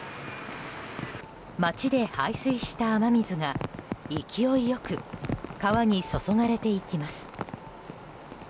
街で排水した雨水が勢いよく川に注がれていきます。